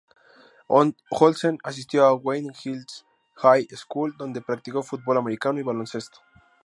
Olsen asistió a Wayne Hills High School, donde practicó fútbol americano y baloncesto.